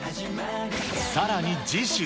さらに次週。